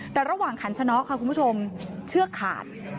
แต่ระหว่างขันชะน็อกค่ะคุณผู้ชมเชือกขาด